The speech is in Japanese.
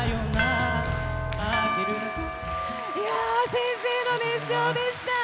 先生の熱唱でした。